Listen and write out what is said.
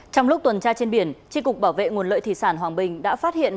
trong lúc tuần tra trên biển tri cục bảo vệ nguồn lợi thủy sản hoàng bình đã phát hiện